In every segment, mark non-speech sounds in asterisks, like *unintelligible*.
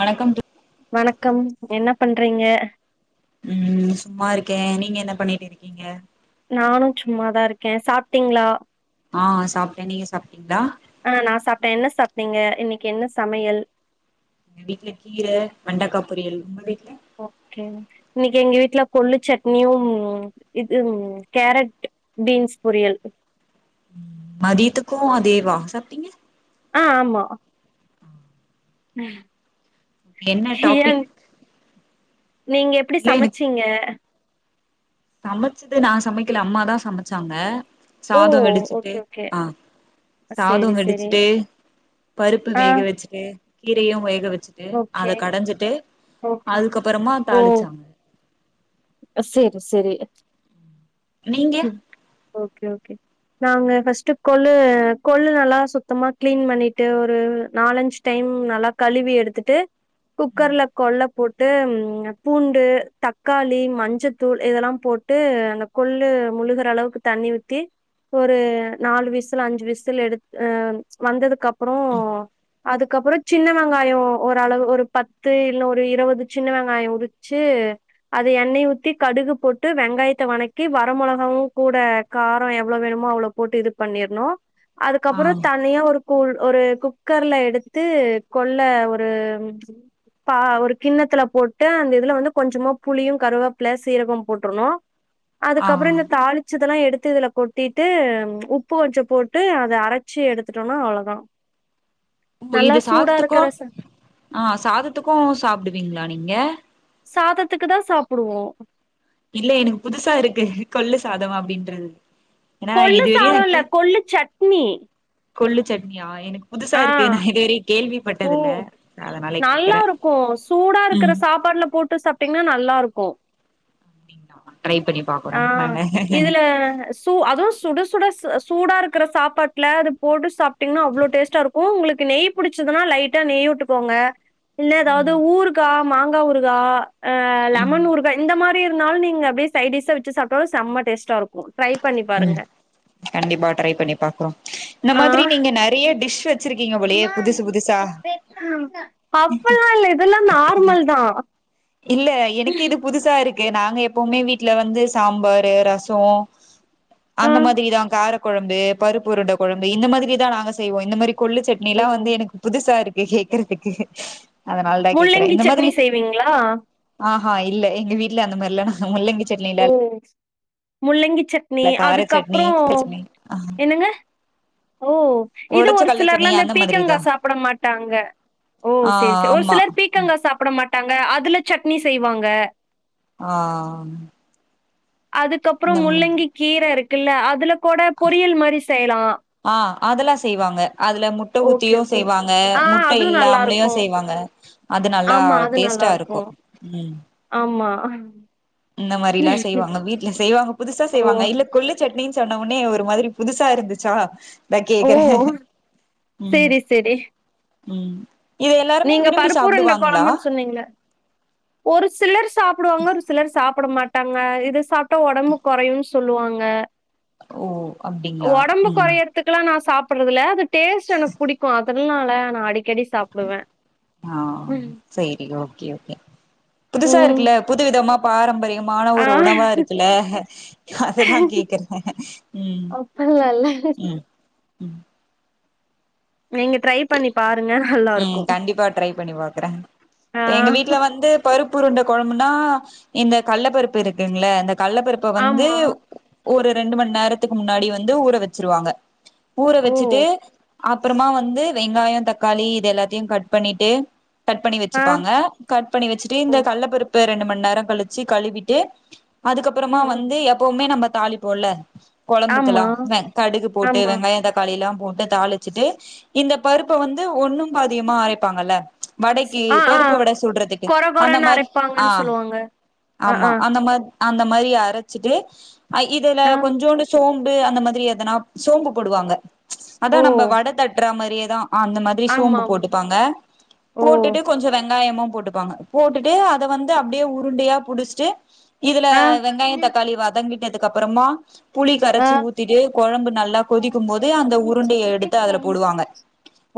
வணக்கம் தோ வணக்கம் என்ன பண்றீங்க ம் சும்மா இருக்கே நீங்க என்ன பண்ணிட்டு இருக்கீங்க நானு சும்மாதா இருக்கே சாப்டீங்ளா ஆ சாப்டே நீங்க சாப்டீங்களா ஆ நா சாப்டே என்ன சாப்டீங்க இன்னிக்கு என்ன சமையல் எங்க வீட்ல கீர வெண்டக்கா பொரியல் உங்க வீட்ல இன்னிக் எங்க வீட்ல கொல்லு சட்னியு இது ம் கேரட் பீன்ஸ் பொரியல் ம் மதியத்துக்கு அதேவா சாப்டீங்க ஆ ஆமா ம் என்ன டாபிக் நீங்க எப்படி இல்ல எனக்கு சமச்சீங்க சமச்சது நா சமைக்கல அம்மாதா சமச்சாங்க ஓ! சாதம் வெடிச்சிட்டு ஓகே, ஓகே. ஆ சாதொ சரி, சரி. வெடிச்சுட்டு பருப்பு ஆ வேக வச்சுட்டு கீரையு வேக வச்சுட்டு ஓகே, அத கடஞ்சிட்டு ஓகே. அதுக்கபறமா தாளிச்சாங்க செரி செரி நீங்க ஓகே ஓகே நாங்க ஃபர்ஸ்ட்டு கொள்ளு கொள்ளு நல்லா சுத்தமா கிளீன் பண்ணிட்டு ஒரு நாலஞ்சு டைம் ம் நல்லா கழுவி எடுத்துட்டு ம் குக்கர்ல கொள்ள போட்டு பூண்டு தக்கா மஞ்சத்தூள் இதெல்லா போட்டு அந்த கொள்ளு முழுகிற அளவுக்கு தண்ணி ஊத்தி ஒரு நாலு விசில் அஞ்சு விசில் எடுத் அ வந்ததுக்கு அப்புறோ ம் அதுக்கப்பற சின்ன வெங்காய ஒரு அளவு ஒரு பத்து இல்ல ஒரு இருவது சின்ன வெங்காய உரிச்சு ச அது எண்ணெய் ஊத்தி கடுகு போட்டு வெங்காயத்தை வணக்கி வர மொளகாவுகூட கார எவ்ளோ வேணுமோ அவ்ளோ போட்டு இது பண்ணிர்னு ஆ அதுக்கப்புறோ தனியா ஒரு கூழ் ஒரு குக்கர்ல எடுத்து கொள்ள ஒரு பா ஒரு கிண்ணத்துல போட்டு அந்த இதுல வந்து கொஞ்சமா புளியு கருவேப்ல சீரகம் போட்றுணு அதுக்கப்புறோ ஆ இந்த தாளிச்ச தெல்லா எடுத்து இதுல கொட்டிட்டு உப்பு கொஞ்ச போட்டு அத அரச்சி எடுத்துட்டோனா அவ்ளதா இது சாதத்துக்கு ஆ சாதத்துக்கு சாப்டுவிங்ளா நீங்க சாதத்துக்கு தா சாப்புடுவோ இல்ல எனக்கு புதுசா இருக்கு கொள்ளு சாதம் அப்டின்றது ஏனா கொள்ளு இதுவரியு நா சாதோ இல்ல கே கொள்ளு சட்னி கொள்ளு சட்னியா எனு புதுசா ஆ இருக்கு நா இதுவரயு ஓ கேள்விப்பட்டதில்ல அதனால கேக்கறே ம் ப்பாட்ல போட்டு சாப்டிங்ன்னா நல்லா இருக்கு அப்டிங்ளா ஆ இதுல சு அதுவு சுட சுட ஸ் அ சூடா இருக்கற சாப்பாட்ல அது போட்டு சாப்டிங்னா அவ்ளோ டேஸ்டா இருக்கு உங்குளுக்கு நெய் புடிச்சதுனா லைட்டா நெய் உட்டுகோங்க இல்னா எதாவ்து ம் ஊறுகா மாங்கா ஊறுகா அ ம் லெமன் ஊறுகா இந்த மா ப்டி இருந்தாலு நீங்க அப்டியே சைடிஷா வெச்சு சாப்டாலு செம்ம டேஸ்டாருக்கு ம் கண்டிப்பா ட்ரை பண்ணி பாக்குறோ இந்த மாதிரி நீங்க நறைய டிஷ் வச்சிருக்கீங்க போலயே புதுசு புதுசா அப்பல்லா இல்ல இதுல்லா நார்மல் தா இல்ல எனக்கு இது புதுசா இரு க்கு நாங்க எப்பவுமே வீட்ல வந்து சாம்பாரு ரசோ ஆ அந்த மாதிரிதா கார கொழம்பு பருப்பு உருண்ட கொழம்பு இந்த மாதிரி தா நாங்க செய்வோ இந்த மாரி கொள்ளு சட்னி ஓ. எல்லா வந்து எனக்கு புதுசா இரு கே கேக்கறதுக்கு அதனால் தா கேக்கறே முள்ளங்கி இந்த சட்னி மாதிரி செய்வீங்களா? ஆஹா இல்ல எங்க வீட்ல அந்த மாரில்ல முள்ளங்கி சட்னிலா ம் முள்ளங்கி சட்னி இல்ல கார சட்னி அதுக்கப்புறோ சட்னி என்னங்க ஓ இது ஒடச்ச ஒரு கல்ல சட்னி சிலர்லா அந்த பீக்கங்கா மாதிரிதா சாப்பட மாட்டாங்க ஓ ஆ சேர் செ ஒரு ஆமா சிலர் பீக்கங்கா சாப்பட மாட்டாங்க அதுல சட்னி செய்வாங்க ஆ ஆ ஆ ஆ அதுக்கப்புறோ முள்ளங்கி கீர இருக்குல்ல அதுல கோட பொரியல் மாரி செய்லா அதல்லா செய்வாங்க அதுல முட்ட ஊத்தியு ஓகே. செய்வாங்க ஆ முட்ட அதுவும் இல்லாமலியு நல்லாருக்கும். செய்வாங்க அது நல்லா ஆமா, அது டேஸ்டா இருக்கு ம் அ இந்த மாரி எல்லா செய்வாங்க வீட்ல செய்வாங்க புதுசா ஓ! செய்வாங்க இல்ல கொள்ளு சட்னி சொன்ன ஒன்னே ஒரு மாதிரி புதுசா இருந்துச்சா தா ஓ! கேக்கறே ம் சரி, சரி. ம் இது எல்லாருமே நீங்க விரும்பி பருப்பு உருண்ட சாப்டுவாங்களா கொழம்புன் சொன்னீங்ள ஒரு சிலர் சாப்டுவாங்க ஒரு சிலர் சா ப்பட மாட்டாங்க இது சாப்ட்டா ஒடம்பு கொறையுன் சொல்லுவாங்க ஓ அப்டிங்களா ஒடம்பு ம் கொறையற்துக்லா நா சா ப்பட்றதில்ல அது டேஸ்ட் எனக்கு புடிக்கு அதல்னால நா அடிக்கடி சாப்டுவே ஆ ம் சேரி ஓகே ஓகே புதுசா ம். இருக்குல்ல புது விதமா பாரம்பரிய மான ஆ ஒரு உணவா இருக்குல்ல அத தா கேக்குறே ம் ம் *unintelligible* ம் நீங்க ட்ரை பண்ணி பா ம் கண்டிப்பா ட்ரை பண்ணி பாக்கறே ஆ எங்க வீட்ல வந்து பருப்பு உருண்ட கொழம்பு னா இந்த கல்லப்பருப்பு இருக்குங்ள இந்த கல்லப்பருப்ப வந்து ஆமா ஒரு ரெண்டு மண் நேரத்துக்கு முன்னாடி வந்து ஊற வெச்சிருவாங்க ஊற ஓ வெச்சுட்டு அப்பறமா வந்து வெங்காயோ தக்காளி இது எல்லாத்தையு கட் பண்ணிட்டு கட் பண்ணி ஆ வெச்சுப்பாங்க கட் பண்ணி வெச்சிட்டு ஓ இந்த கல்லப் பருப்ப ரெண்டு மண் நேரோ கழிச்சி கழுவிட்டு அதுக்கப்றமா ம் ம் வந்து எப்போமே நம்ம தாளிப் போல கொழம்புக்கெல்லா ஆமா வெ கடுகு போட்டு ஆமா வெங்காயோ தக்காளில்லா போட்டு தாளிச்சுட்டு இந்த பருப்ப வந்து ஒண்ணு பாதியுமா அரைப்பாங்கல்ல வடைக்கி ஆ ஆ பருப்பு வட சுட்றதுக்கு கொற அந்த கொறன்னு மாரி ஆ அரைப்பாங்கன்னு சொல்லுவாங்க ஆ ஆமா ஆ அந்த மா அந்த மாரி அரச்சிட்டு் ஐ இதுல ஆ கொஞ்சோண்டு சோம் டு அந்த மாரி எதுனா சோம்பு போடுவாங்க அதா ஓ நம்ம வட தட்றா மாரியேதா அந்த ரி சோம்பு ஆமாமா போட்டுப்பாங்க ஓ போட்டுட்டு கொஞ்சோ வெங் வெங்காயமு போட்டுப்பாங்க போட்டுட்டு அத வந்து அப்டியே உருண்டையா புடிச்சிட்டு இதுல ஆ வெங்காயோ தக்காளி வதங்கிட்டதுக்கு அப்றமா புளி ஆ கரைச்சி ஊத்திட்டு கொழம்பு நல்லா கொதிக்கும் போது அந்த உருண்டைய எடுத்து அதுல போடுவாங்க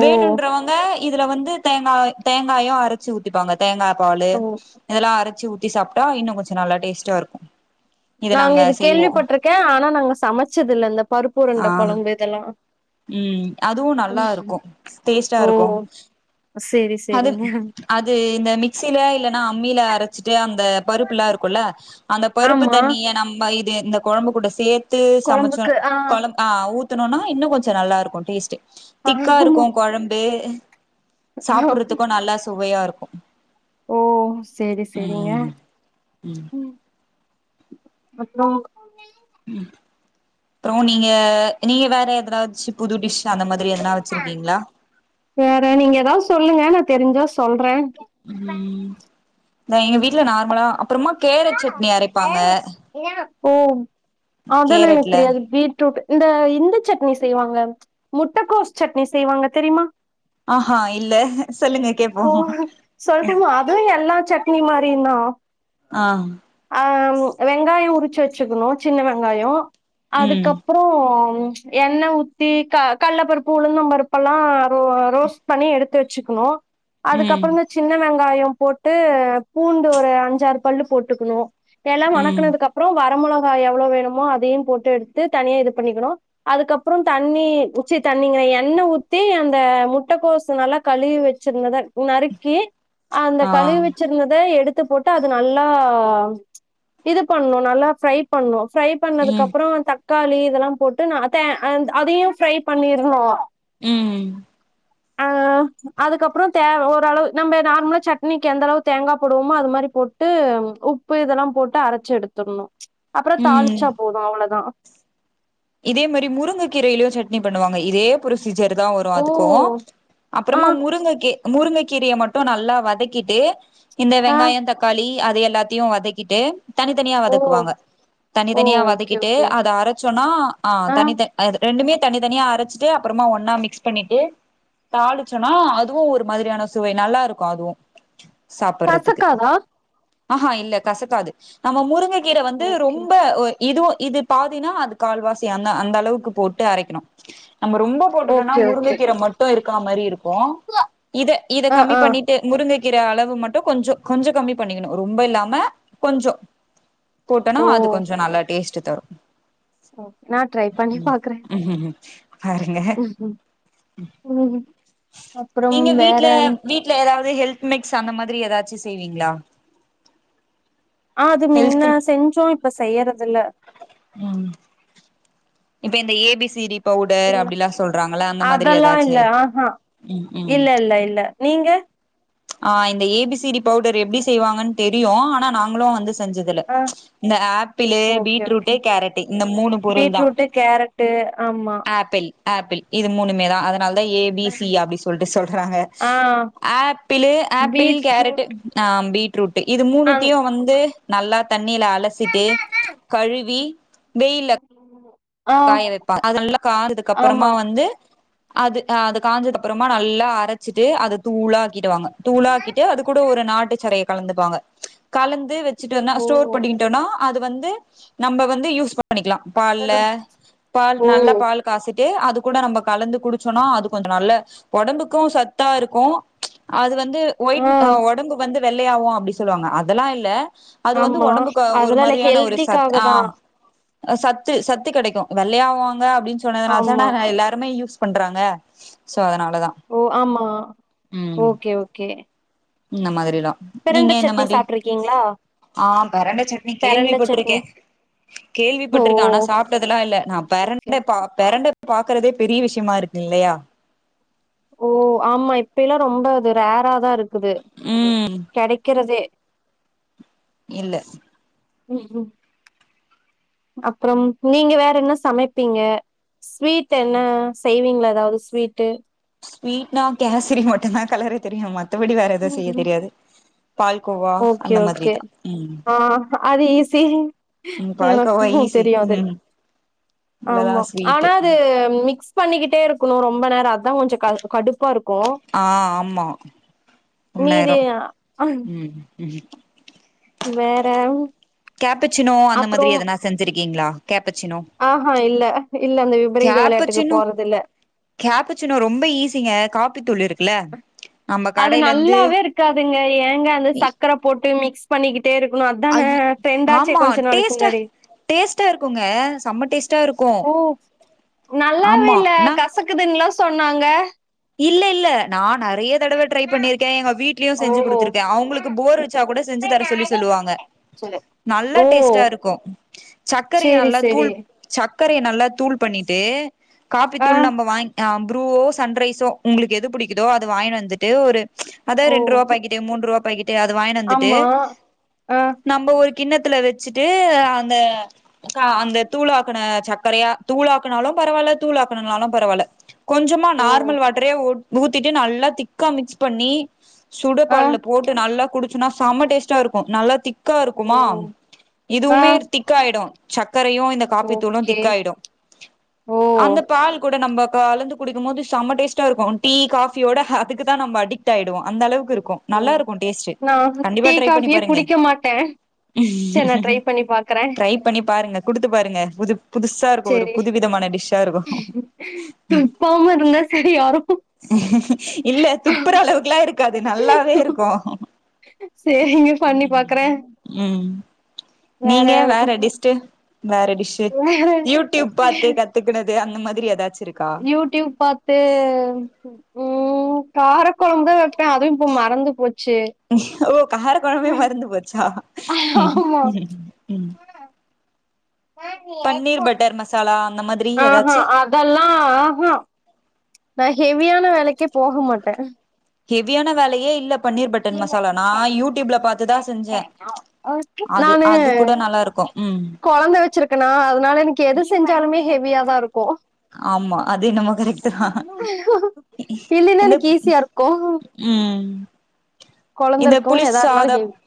ஓ வேணுன்றவங்க இதுல வந்து தேங்கா தேங்காயு அர ச்சு ஊத்திப்பாங்க தேங்கா பாலு ஓ இதெல்லா அரச்சு ஊத்தி சாப்ட்டா இன்னு கொஞ்சோ நல்லா டேஸ்ட்டா இருக்கு நாங்க இது கேள்விப்பட்ருக்கே ஆனா நாங்க சமச்சதுல்ல இந்த பருப்பு ஆ உருண்ட கொழம்பு இதெல்லா ம் அதுவு நல்லாருக்கு ஓ டேஸ்டாருக்கு சேரி அதுக் சேரிங்க அது இந்த மிக்சில இல்லன்னா அம்மில அரச்சிட்டு அந்த பருப்புலா இருக்குல்ல அந்த பருப்பு ஆமா தண்ணிய நம்ம இது இந்த கொழம்பு கூட சே த்தே சமைச்சோ கொழம்புக்கு ஆ கொழம் ஆ ஊத்துணோனா இன்னு கொஞ்சோ நல்லாருக்கு டேஸ்ட்டு திக்காருக்கு ஆமா கொழம்பு சாப்புட்றதுக்கு நல்லா சுவையாருக்கு ஓ சேரி சேரிங்க ம் அப்றோ ம் அப்றோ நீங்க நீங்க வேற எதறாச்சு புது டிஷ் அந்த மாதிரி எதனா வச்சிருக்கீங்களா வேற நீங்க ஏதாவது சொல்லுங்க நா தெரிஞ்சா சொல்றே ம் நா‌ எங்க வீட்ல நார்மலா அப்றமா கேரட் சட்னி அரைப்பாங்க ஓ அதெல்லா எனக்கு கேரட்ல தெரியாது பீட்ரூட் இந்த இந்த சட்னி செய்வாங்க முட்டகோஸ் சட்னி செய்வாங்க தெரிமா ஆ ஹா இல்ல சொல்லுங்க கேப்போ ஓ சொல்லுட்டுமா அதுவு எல்லா சட்னி மாரியு தா ஆ ஆ ம் வெங்காயோ உரி ச்சு வச்சுக்கணு சின்ன வெங்காயோ ம் அதுக்கப்றோ ம் எண்ண ஊத்தி க கல்லப்பருப்பு உளுந்தப்பருப்பெல்லா ரோ அ ரோஸ்ட் பண்ணி எடுத்து வெச்சுக்கணு ம் அதுக்கப்றோ இந்த சின்ன வெங்காயோ போட்டு பூண்டு ஒரு அஞ்சாறு பல்லு போட்டுக்கணு எல்லா ம் வணக்குனதுக்கு அப்றோ வர மொள கா எவ்ளோ வேணுமோ அதையு போட்டு எடுத்து தனியா இது பண்ணிக்கணு அதுக்கப்றோ தண்ணீ ச்சீ தண்ணிங்கிறே எண்ணெ ஊத்தி அந்த முட்டக்கோசு நல்லா கழுவி வை ச்சிர்ந்தத நறுக்கி அந்த ஆ கழுவி வச்சிருந்தத எடு த்து போட்டு அது நல்லா இது பண்ணு நல்லா ஃப்ரை பண்ணு ஃப்ரை பண்ணதுக்கு ம் அப்றோ தக்காளி இதெல்லா போட்டு நா அத அந் அதையு ஃப்ரை பண்ணிருனு ம் ஆ அதுக்கப்புறோ தே ஓரளவு நம்ப நார்மலா சட்னிக்கி எந்தளவு தேங்கா போடுவோமோ அது மாரி போட்டு உ உப்பு இதெல்லா போட்டு அரைச்சு எடுத்தர்ணு அப்புறோ ம் தாளிச்சா போது அவ்ளோதா இதே மாரி முருங்க கீரையிலு சட்னி பண்ணுவாங்க இதே ப்ரொ சீஜர்தா வரு ஓ அதுக்கு ஆ அப்றமா முருங்க கே முருங்க கீரைய மட்டு நல்லா வதக்கிட்டு இந்த ஆ வெங்காயோ தக்காளி அத எல்லாத்தையு வதக்கிட்டு தனித்தனியா ஓ வதக்குவாங்க தனி ஓ தனியா ஓகே வதக்கிட்டு ஓகே அத அரைச்சோனா ஆ தனி தனி அது ரெண்டுமே தனி தனியா அரச்சிட்டு அப்புறமா ஒன்னா மிக்ஸ் பண்ணிட்டு தாளிச்சோனா அதுவு ஒரு மாதிரியான சுவை நல்லாருக்கு அதுவு சாப்பறதுக்கு கசக்காதா ஆஹா இல்ல கசக்காது நம்ம முருங்க கீர வந்து ஓகே ரொம்ப ஒ இதுவு இது பாதினா அது கால்வாசி அந்த அந்த அளவுக்கு போட்டு அரைக்கணு நாம ரொம்ப போட்டுட்டோனா ஓகே ஓகே முருங்கைக்கீரை மட்டு இருக்கா மாரி இரு க்கு இத இத ஆ கம்மி ஆ பண்ணிட்டு முருங்க க்கீர அளவு மட்டு கொஞ்சோ கொஞ்சோ கம்மி பண்ணிக்கணு ரொம்ப இல்லாம கொஞ்சோ போட்டோனா ஓ அது கொஞ்சோ நல்லா டேஸ்ட் தரு நா ட்ரை ம் உஹ்ம் உஹும் ம் அப்றோ வேற எதாவது ஹெல்த் மிக்ஸ் அந்த மாரி எதாச்சு செய்வீங்ளா ஆ் அது மின்ன செஞ்சோ இப்ப செய்யறது இல்ல ம் இப்ப இந்த A B C D powder ம் அப்டியெல்லா சொல்றாங்கள அந்த மாரி அதெல்லா இல்ல எதாச்சு ஆஹா ம் ம் இல்ல இல்ல இல்ல நீங்க ஆ இந்த A B C D powder எப்டி செய்வாங்கன்னு தெரியு ஆனா நாங்களு வந்து செஞ்சதுல்ல ஆ இந்த apple, okay beetroot, okay carrot இந்த மூணு பொருள்தா எ ஆமா ஆப்பிள் இது மூணுமேதா அதனாலதா ஏ பி சி அப்டி சொல்ட்டு சொல்றாங்க ஆ ஆ ஆப்பிளு ஆப்பிள், கேரட் பீட்ரூட் அ பீட்ரூட் இது அந் மூணுத்தையு வந்து நல்லா தண்ணில அலசிட்டு கழுவி வெய்யில்ல ஆ காய வைப்பா அதெல்லா *inaudible* அப்றமா ஆமா வந்து அது அ அது காஞ்சதுக்கப்புறமா நல்லா அரச்சிட்டு அத தூளா ஆக்கிடுவாங்க தூளாக்கிட்டு அது கூட ஒரு நாட்டு சரையை கலந்துகுவாங்க கலந்து வெச்சிட்டு வந் ஓ ஸ்டோர் பண்டிக்கிட்டோனா அது வந்து நம்ப வந்து யூஸ் பண்ணிக்கலா பால்ல பால் ஓ நல்ல பால் காசிட்டு அது கூட நம்ம கலந்து குடிசோனா அது கொஞ்சோ நல்ல ஒடம்புக்கு சத்தா இருக்கு அது வந்து ஒயிட் ஆ ஒடம்பு வந்து வெள்ளயாவு அப்டி சொல்லுவாங்க அதெல்லா இல்ல அது வந்து ஆமா ஒடம்புக்கு ஒரு அதெல்லா இல்ல மாதிரியான ஒரு சத் ஹெல்திக்காக ஆ தா சத்து சத்து கெடைக்கு வெள்ளயாவாங்க அப்டின்னு ஆமா சொன்னதுனாலதான எல்லாருமே யூஸ் பண்றாங்க சோ அதனாலதா ஓ ஆமா ம் இந்த மாரிலா பிரண்ட சட்னி சாப்ட்டு இருக்கீங்ளா ஆ பெரண்ட சட்னி கேள்விப்பட்ருக்கே சட்னி ஓ கேள்விப்பட்ருக்கே ஆனா சாப்ட்டதெல்லா இல்ல நா ஓகே பெரண்ட பெரண்ட பாக்கறதே பெரிய விஷ்யமா இருக்கு இல்லையா ஓ ஆமா இப்பையெல்லா ரொம்ப அது ரேராதா இருக்குது ம் கெடைக்கறதே இல்ல ஹ்ம் அப்றம் நீங்க வேற என்ன சமைப்பீங்க ஸ்வீட் என்ன செய்வீங்ளா எதாவது ஸ்வீட்டு ஸ்வீட்னா கேசரி மட்டுந்தா கெளறத் தெரியு மத்தபடி வேற எதுவு செய்ய ம்ஹ்ம். தெரியாது பால்கோவா ஓகே அந்த ஓகே மாதிரிதா ம் ஆ அது ஈசி ம் எனக்கு பால்கோவா ஈஸி தெரியாது ம் இவ்ளதா ஆமா ஆனா ஸ்வீட்டு ம் அது மிக்ஸ் பண்ணிக்கிட்டே இருக்கணு ரொம்ப நேரோ அதா கொஞ்சோ க கடுப்பா இருக்கு ஆ ஆமா ரொம்ப மீதி நேரோ ம் ம் வேற கேப்பச்சினோ அந்த மாதிரி அப்புறம் எதனா செஞ்சிருக்கீங்ளா ஆஹா இல்ல இல்ல அந்த விபரீத விளையாட்டுக்கு கேப்பச்சினோ போறது இல்ல கேப்பச்சினோ ரொம்ப ஈஸிங்க காப்பித்தூள் இருக்கல்ல அது நல்லாவே இருக்காதுங்க ஏங்க அந்த இ சக்கர போட்டு மிக்ஸ் பண்ணி கிட்டே இருக்கணு ஐ அதான ரெண்டாச்சே ஆமா கொஞ்ச நாளைக்கு டேஸ்ட்டா முன்னாடி டேஸ்ட்டா இருக்குங்க செம டேஸ்ட்டா இருக்கு ஓ! நல்லாவே ஆமா இல்ல நா கசக்குதுன்னல்லா சொன்னாங்க இல்ல இல்ல நா நெறைய தடவை ட்ரை பண்ணிருக்கே எங்க வீட்லயும் ஓ! செஞ்சு கொடுத்துருக்கே அவங்களுக்கு போர் அடுச்சா கூட செஞ்சு தர சொல்லி சொல்லுவாங்க செரி நல்லா டேஸ்டா இருக்கும் சர்க்கரைய சேரி நல்லா சேரி. தூள் சக் சக்கரைய நல்லா தூள் பண்ணிட்டு காப்பி ஆ. தூள் நம்ப வாங்க் ப்ரூவோ சன்ரைஸ் சோ உங்களுக்கு எது புடிக்கதோ அது வாங்கிட்டுவந்துட்டு ஒரு அதாவது ஓ! ரெண்டு ரூபா பக்கேட்டு மூன்று ரூபா அது வாங்கினு வந்துட்டு ஆமா. ஆ. நம்ம ஒரு கிண்ணத்துல வச்சுட்டு அந்த அந்த தூளாக்கன சக்கரையா தூளாக்கனாலும் பரவால்ல தூளாக்கணனாலாம் பரவால்ல கொஞ்சமா ஓ! நார்மல் வாட்டரே ஊத்திட்டு நல்லா திக்கா மிக்ஸ் பண்ணி ஆ. சுடுபன்னு போது நல்லா குடிச்சுன்னா செம டேஸ்ட்டா இருக்கும் நல்லா திக் திக்கா ஓ! இருக்குமா ஆ. இதுவுமே திக்கா ஆயிடும் சட் சக்கரையும் இந்த காப்பித்தூளும் ஓகே. திக்காயிடும் ஓ! அந்த பால் கூட நம்ம கலந்து குடிக்கும் போது செம டேஸ்ட்டா இருக்கும் டீ காபியோட அதுக்குதா நம்ப அடிக்ட் ஆகிடுவோம் அந்த அளவுக்கு ஓ! நல்லா இருக்கும் டேஸ்ட்டே நா கண்டிப்பா டீ, ட்ரை பண்ணி காஃபியே பாருங்க குடிக்க மாட்டே. சரி நா ம் ட்ரை பண்ணி பாக்குறே. ட்ரை பண்ணி பாருங்க குடுத்து பாருங்க புது புதுசா இருக்கும் ஒரு சேரி. புதுவிதமான டிஷ்ஷா இருக்கும் துப்பாம இருந்தா சரியாரு. இல்ல துப்புற அளவுக்குல்லா இருக்காது நல்லாவேருக்கும் செரிங்க பண்ணி பாக்குற ம் வேற நீங்க டிஸ்ட்டு வேற டிஷு வேற யூடியூப் பாத்து கத்துக்குனது அந்த மாதிரி ஏதாச்சு இருக்கா யூடியூப் பாத்து உம் கார புளிக்குழம்பு வைப்பே அதுவும் இப்ப மறந்து போச்சு ஓ கார குழம்பே மறந்து போச்சா உ ஆமா உம் பன்னீர் பட்டர் மசாலா அந்த மாதிரி ஆ ஆ ஏதாச்சு அதெல்லாம் ஆஹஹா ஹெவியான வேலைக்கே போக மாட்டே ஹெவியான வேலையே இல்ல பன்னீர் பட்டர் மசாலானா யூடியூப்ல பார்த்துதா செஞ்ச அது அது கூட நல்லாருக்கும் குழந்த வச்சிருக்கனா அதனால எனக்கு எது செஞ்சாலுமே ஹெவியாதான் இருக்கும் ஆமா அது என்னமோ கரெக்ட்டு தா இல்லைன்னா இந்த எனக்கு ஈஸியா உம் கொழந்தருக்கும் எதா இருந்தாலும் ஹேவி சாத